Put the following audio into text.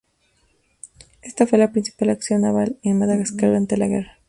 Esta fue la principal acción naval en Madagascar durante la guerra.